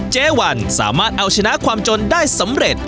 เจ๊วันสามารถเอาชนะความจนได้สำเร็จ